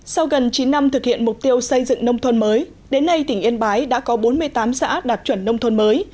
sau gần chín năm thực hiện mục tiêu xây dựng nông thôn mới đến nay tỉnh yên bái đã có bốn mươi tám xã đạt chuẩn nông thôn mới